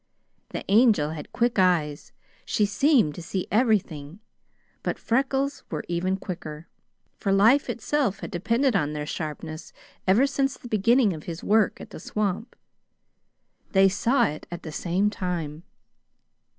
The Angel had quick eyes; she seemed to see everything, but Freckles' were even quicker; for life itself had depended on their sharpness ever since the beginning of his work at the swamp. They saw it at the same time.